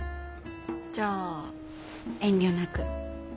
じゃあ遠慮なく。